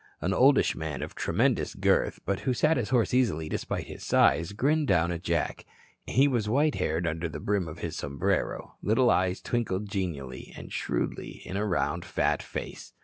An oldish man of tremendous girth, but who sat his horse easily despite his size, grinned down at Jack. He was white haired and under the brim of his sombrero little eyes twinkled genially and shrewdly in a round, fat face.